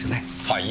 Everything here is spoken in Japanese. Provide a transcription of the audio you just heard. はい？